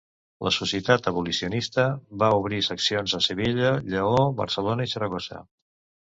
La Societat Abolicionista va obrir seccions a Sevilla, Lleó, Barcelona i Saragossa.